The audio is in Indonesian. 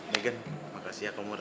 kita kaget semua do